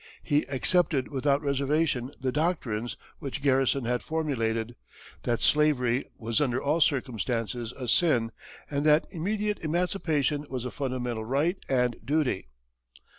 He accepted without reservation the doctrines which Garrison had formulated: that slavery was under all circumstances a sin and that immediate emancipation was a fundamental right and duty.